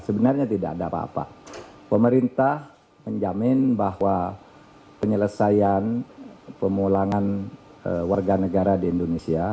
sebenarnya tidak ada apa apa pemerintah menjamin bahwa penyelesaian pemulangan warga negara di indonesia